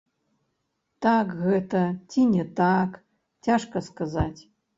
Так гэта ці не так, цяжка сказаць.